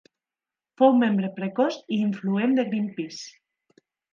Fou membre precoç i influent de Greenpeace.